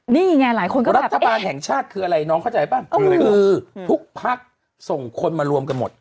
นี่ไงหลายคนก็รัฐบาลแห่งชาติคืออะไรน้องเข้าใจป่ะคือทุกพักส่งคนมารวมกันหมด